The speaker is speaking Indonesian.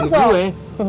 bisa dapat duit banyak